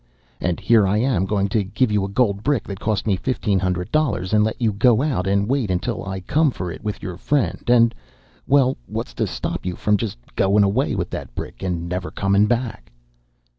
And here I am, going to give you a gold brick that cost me fifteen hundred dollars, and let you go out and wait until I come for it with your friend, and well, what's to stop you from just goin' away with that brick and never comin' back?"